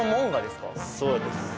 そうです。